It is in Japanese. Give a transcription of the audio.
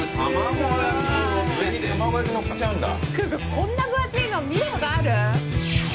こんな分厚いの見たことある？